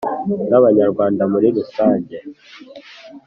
n'abanyarwanda muri rusange.